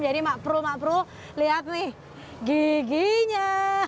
jadi mak prul mak prul lihat nih giginya